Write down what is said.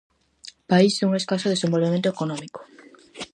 País dun escaso desenvolvemento económico.